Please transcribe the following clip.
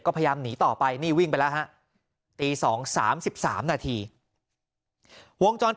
ก็พยายามหนีต่อไปนี่วิ่งไปแล้วฮะตี๒๓๓นาทีวงจร